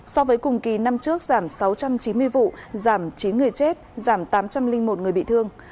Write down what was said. so với cùng kỳ năm trước giảm sáu trăm chín mươi vụ giảm chín người chết giảm tám trăm linh một người bị thương